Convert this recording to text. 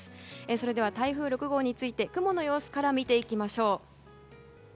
それでは台風６号について雲の様子から見ていきましょう。